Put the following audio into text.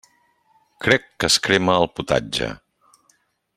Crec que es crema el potatge.